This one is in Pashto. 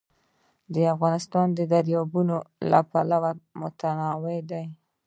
افغانستان د دریابونه له پلوه متنوع دی.